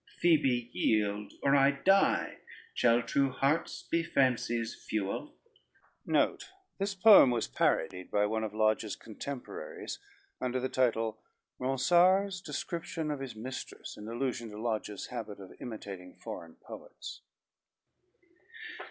Phoebe yield, Or I die: Shall true hearts be fancy's fuel? [Footnote 1: This poem was parodied by one of Lodge's contemporaries under the title "Ronsard's Description of his Mistress" in allusion to Lodge's habit of imitating foreign poets.